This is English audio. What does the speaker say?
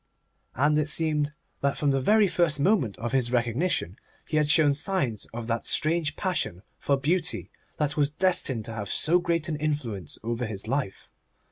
And it seems that from the very first moment of his recognition he had shown signs of that strange passion for beauty that was destined to have so great an influence over his life.